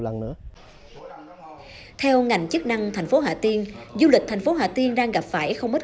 lần nữa theo ngành chức năng thành phố hà tiên du lịch thành phố hà tiên đang gặp phải không ít